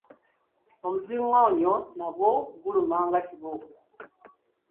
Omuzingoonyo nagwo guluma nga kibooko.